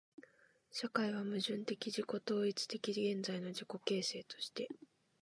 社会は矛盾的自己同一的現在の自己形成として、